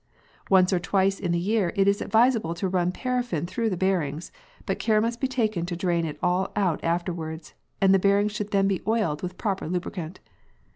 Once or twice in the year it is advisable to run paraffin through the bearings, but care must be taken to drain it all out afterwards, and the bearings should then be oiled with proper lubricant.